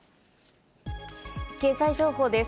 経済情報です。